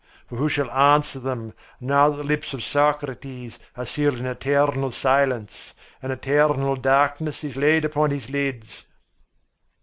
For who shall answer them, now that the lips of Socrates are sealed in eternal silence, and eternal darkness is laid upon his lids?"